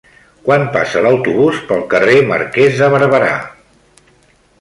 Quan passa l'autobús pel carrer Marquès de Barberà?